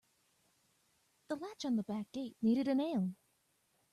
The latch on the back gate needed a nail.